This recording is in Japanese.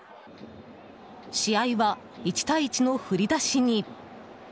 試合は、１対１の振り出しに。